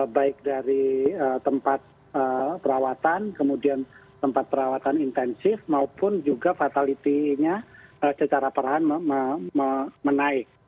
baik dari tempat perawatan kemudian tempat perawatan intensif maupun juga fatality nya secara perlahan menaik